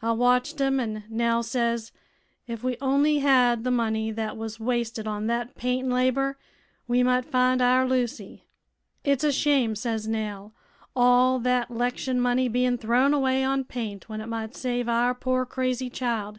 I watched 'em, an' Nell says if we on'y had th' money thet was wasted on thet paint an' labor, we might find our Lucy. 'It's a shame,' says Nell, 'all thet 'lection money bein' thrown away on paint when it might save our poor crazy child.'